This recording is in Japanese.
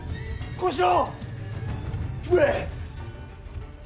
小四郎！